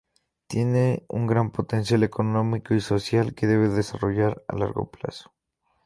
Tiene un gran potencial económico y social que debe desarrollar a largo plazo.